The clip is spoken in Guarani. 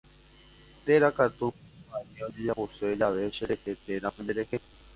Térã katu mba'evai ojejapose jave cherehe térã penderehe.